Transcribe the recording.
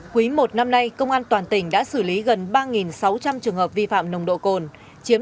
quý một năm nay công an toàn tỉnh đã xử lý gần ba sáu trăm linh trường hợp vi phạm nồng độ cồn